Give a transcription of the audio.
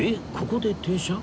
ここで停車？